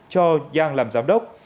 cho giang làm giám đốc